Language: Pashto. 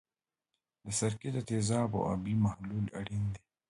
د سرکې د تیزابو آبي محلول اړین دی.